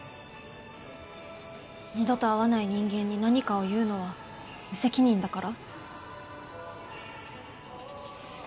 二度と会わない人間に何かを言うのは無責任だから？